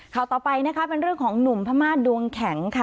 ข่าวต่อไปนะคะเป็นเรื่องของหนุ่มพม่าดวงแข็งค่ะ